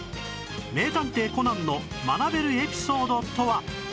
『名探偵コナン』の学べるエピソードとは？